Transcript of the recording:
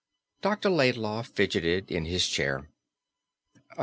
Dr. Laidlaw fidgeted in his chair.